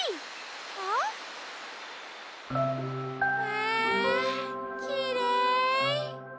わきれい。